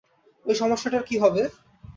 ঐ সমস্যাটার কি হবে?